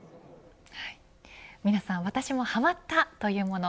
皆さん私もはまったというもの